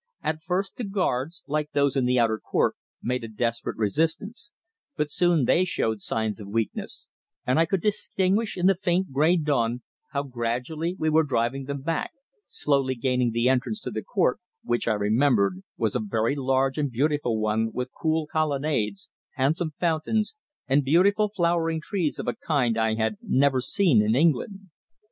At first the guards, like those in the outer court, made a desperate resistance, but soon they showed signs of weakness, and I could distinguish in the faint grey dawn how gradually we were driving them back, slowly gaining the entrance to the court, which, I remembered, was a very large and beautiful one with cool colonnades, handsome fountains and beautiful flowering trees of a kind I had never seen in England.